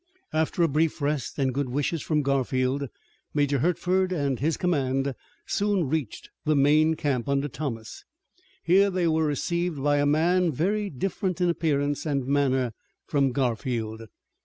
After a brief rest, and good wishes from Garfield, Major Hertford and his command soon reached the main camp under Thomas. Here they were received by a man very different in appearance and manner from Garfield.